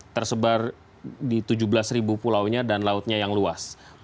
tersebar di tujuh belas ribu pulaunya dan lautnya yang luas